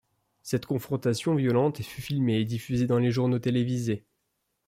Cette confrontation violente fut filmée et diffusée dans les journaux télévisés.